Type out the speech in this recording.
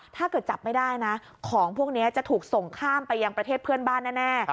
ถ้าเกิดจับไม่ได้นะของพวกนี้จะถูกส่งข้ามไปยังประเทศเพื่อนบ้านแน่